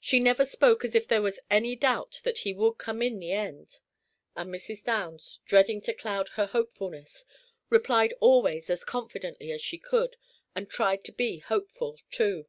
She never spoke as if there was any doubt that he would come in the end, and Mrs. Downs, dreading to cloud her hopefulness, replied always as confidently as she could, and tried to be hopeful, too.